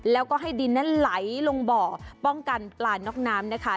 แล้วก็ให้ดินนั้นไหลลงบ่อป้องกันปลาน็อกน้ำนะคะ